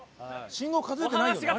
信号数えてないよね。